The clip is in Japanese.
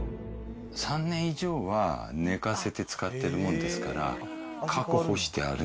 ３年以上は寝かせて使ってるもんですから。